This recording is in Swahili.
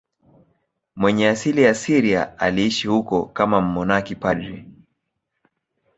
Mwenye asili ya Syria, aliishi huko kama mmonaki padri.